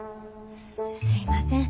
すいません。